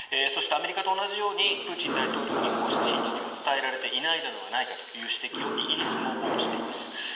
そして、アメリカと同じようにプーチン大統領にこうした真実が伝えられていないのではないかという指摘をイギリスもしています。